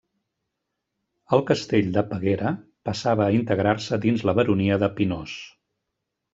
El castell de Peguera passava a integrar-se dins la baronia de Pinós.